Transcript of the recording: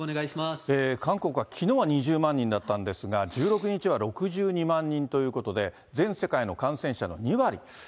韓国はきのうは２０万人だったんですが、１６日は６２万人ということで、全世界の感染者の２割。